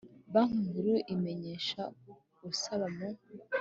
Banki Nkuru imenyesha usaba mu